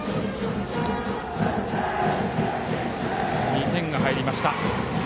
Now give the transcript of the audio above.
２点が入りました。